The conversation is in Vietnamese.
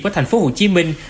với thành phố hồ chí minh